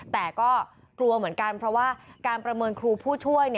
แต่ก็กลัวเหมือนกันเพราะว่าการประเมินครูผู้ช่วย